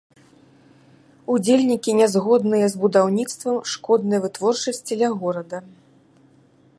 Удзельнікі нязгодныя з будаўніцтвам шкоднай вытворчасці ля горада.